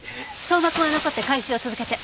相馬君は残って回収を続けて。